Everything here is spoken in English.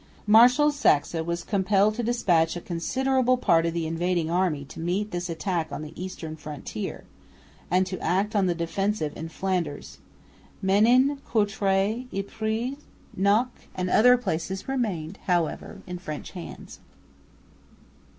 Marshal Saxe was compelled to despatch a considerable part of the invading army to meet this attack on the eastern frontier, and to act on the defensive in Flanders. Menin, Courtrai, Ypres, Knocke and other places remained, however, in French hands.